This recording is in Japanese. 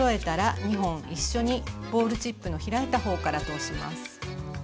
２本一緒にボールチップの開いた方から通します。